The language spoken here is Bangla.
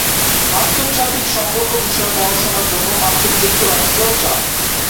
আন্তর্জাতিক সম্পর্ক বিষয়ে পড়াশোনার জন্য মার্কিন যুক্তরাষ্ট্র যান।